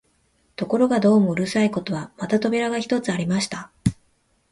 ところがどうもうるさいことは、また扉が一つありました